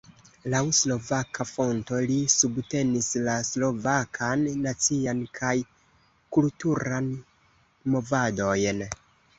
Laŭ slovaka fonto li subtenis la slovakan nacian kaj kulturan movadojn.